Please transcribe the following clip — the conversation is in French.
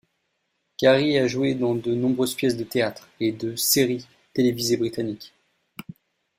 Carrie a joué dans de nombreuses pièces de théâtre et de séries télévisées britanniques.